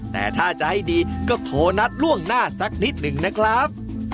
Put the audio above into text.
แต่ถ้าจะให้ดีก็โทรนัดล่วงหน้าสักนิดหนึ่งนะครับ